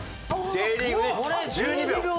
Ｊリーグで１２秒。